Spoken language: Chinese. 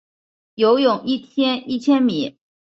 游泳一天一千米